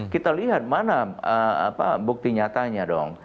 kita lihat mana bukti nyatanya dong